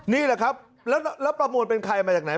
นี่แหละครับแล้วประมวลเป็นใครมาจากไหน